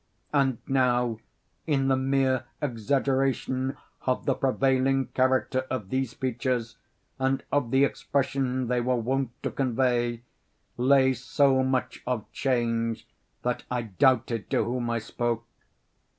And now in the mere exaggeration of the prevailing character of these features, and of the expression they were wont to convey, lay so much of change that I doubted to whom I spoke.